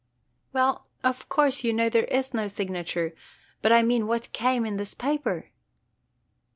"Well, of course you know there is no signature, but I mean what came in this paper?"